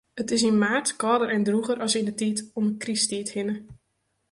It is yn maart kâlder en drûger as yn 'e tiid om Krysttiid hinne.